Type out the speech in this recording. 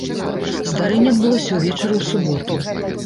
Здарэнне адбылося ўвечары ў суботу.